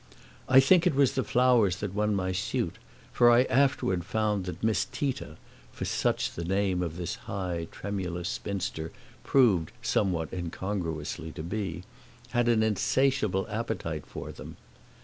I think it was the flowers that won my suit, for I afterward found that Miss Tita (for such the name of this high tremulous spinster proved somewhat incongruously to be) had an insatiable appetite for them.